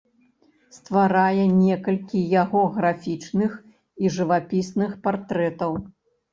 Стварае некалькі яго графічных і жывапісных партрэтаў.